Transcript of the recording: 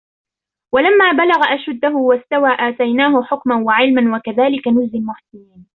وَلَمَّا بَلَغَ أَشُدَّهُ وَاسْتَوَى آتَيْنَاهُ حُكْمًا وَعِلْمًا وَكَذَلِكَ نَجْزِي الْمُحْسِنِينَ